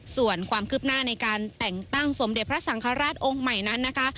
ส่วนความคืบหน้าในการแต่งตั้งสมเด็จพระสังฆราชองค์ใหม่นั้นนะคะ